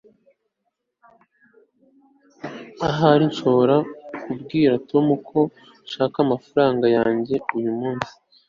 ahari nshobora kubwira tom ko nshaka amafaranga yanjye uyumunsi